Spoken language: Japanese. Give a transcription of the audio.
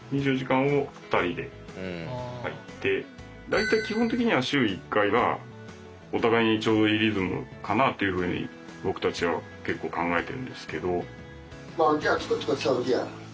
大体基本的には週１回がお互いにちょうどいいリズムかなあというふうに僕たちは結構考えてるんですけど。